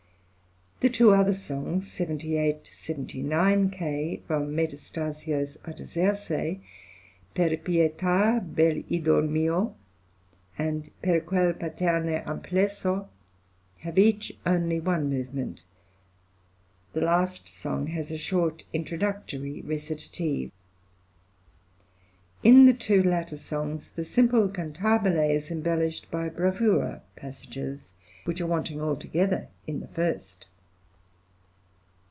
The two other songs (78, 79 K.) from Metastasio's "Artaserse," "Per pietà bel idol mio" and "Per quel paterne amplesso," have each only one movement; the last song has a short introductory recitative. In the two latter songs the simple Cantabile is embellished by bravura passages, which are wanting altogether in the first.